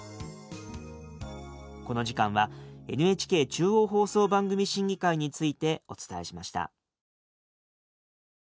この時間はＮＨＫ中央放送番組審議会についてお伝えしました。